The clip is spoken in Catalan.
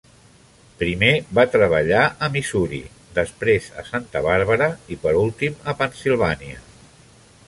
Primer va treballar a Missouri, després a Santa Bàrbara i per últim a Pennsilvània.